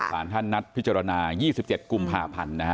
สารท่านนัดพิจารณา๒๗กุมภาพันธ์นะฮะ